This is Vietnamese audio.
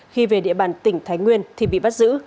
khi về địa bàn tỉnh thái nguyên thì bị bắt giữ